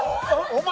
お前。